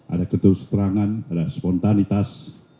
ada ketulus perangan ada spontanitas